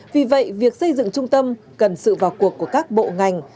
vì vậy việc xây dựng trung tâm cần sự vào cuộc của các bộ ngành